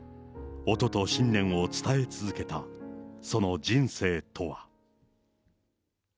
音と信念を伝え続けた、その人生とは。